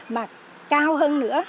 mà cao hơn nữa